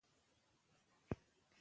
دښتې د انرژۍ سکتور یوه برخه ده.